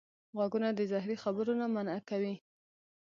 غوږونه د زهري خبرو نه منع کوي